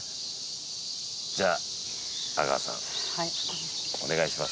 じゃあ阿川さんお願いします。